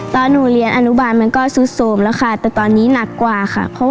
ตอนโรงเรียนอนุบาทมันก็ซูตสมแล้วค่ะแต่ตอนนี้หอมอย่างหนักกว่าค่ะ